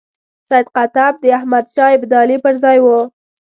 سید قطب د احمد شاه ابدالي پر ځای وو.